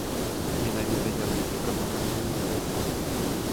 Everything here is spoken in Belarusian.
Менавіта яны і прапагандуюць байкот.